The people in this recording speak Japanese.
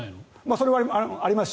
それもあります